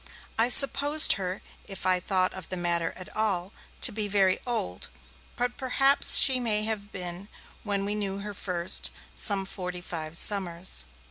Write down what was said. I supposed her, if I thought of the matter at all, to be very old, but perhaps she may have been, when we knew her first, some forty five summers.